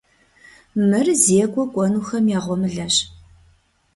Мыр зекӏуэ кӏуэнухэм я гъуэмылэщ.